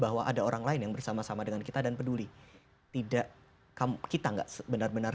bahwa ada orang lain yang bersama sama dengan kita dan peduli tidak kamu kita enggak sebenar benar